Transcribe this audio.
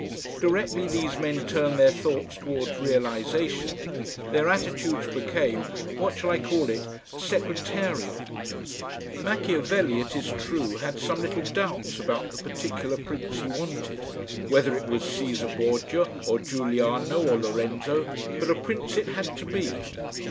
Directly these men turned their thoughts towards realisation, their attitudes became what shall I call it? secretarial. Machiavelli, it is true, had some little doubts about the particular Prince he wanted, whether it was Caesar Borgia of Giuliano or Lorenzo, but a Prince it had to be.